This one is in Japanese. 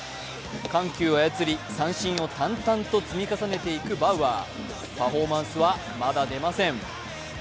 緩急を操り三振を淡々と積み重ねていくバウアー、パフォーマンスはまだ出ません。